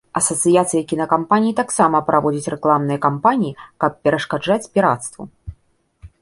Асацыяцыя кінакампаній таксама праводзіць рэкламныя кампаніі, каб перашкаджаць пірацтву.